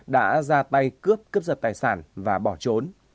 đã ra tay cướp cướp giật tài sản và bỏ trốn